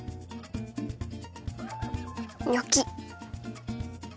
ニョキ。